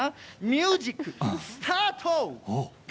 ミュージックスタート！